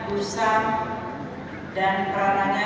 usaha dan perananya